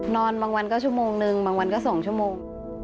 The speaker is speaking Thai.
นอนบางวันก็ชั่วโมงนึงบางวันก็๒ชั่วโมง